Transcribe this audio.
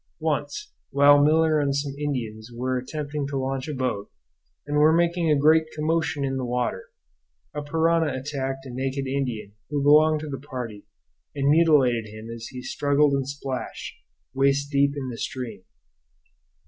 Once, while Miller and some Indians were attempting to launch a boat, and were making a great commotion in the water, a piranha attacked a naked Indian who belonged to the party and mutilated him as he struggled and splashed, waist deep in the stream.